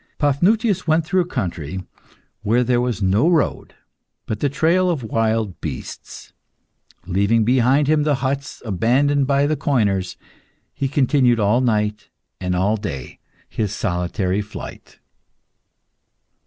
Paphnutius went through a country where there was no road but the trail of wild beasts. Leaving behind him the huts abandoned by the coiners, he continued all night and all day his solitary flight.